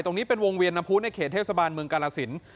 ตรงนี้เป็นวงเวียนพุธในเขตเทพศาบาลเมืองกาลสินทร์